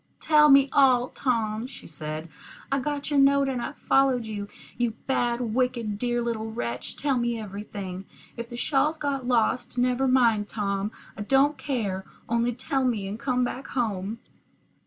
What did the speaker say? "Tell me all, Tom," she said. "I got your note, and I followed you. You bad, wicked, dear little wretch, tell me everything. If the shawl's got lost, never mind, Tom; I don't care; only tell me, and come back home."